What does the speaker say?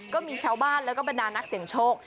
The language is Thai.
ก็มีชาวบ้านแล้วก็บรรดานักเสียงโชค